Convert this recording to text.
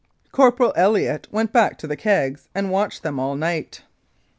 Corporal Elliott went back to the kegs and watched them all night.